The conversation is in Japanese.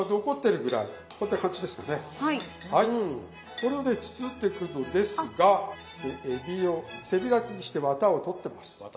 これをね包んでくのですがえびを背開きにしてわたを取ってます。